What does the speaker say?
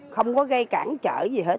không có gây cản trở gì hết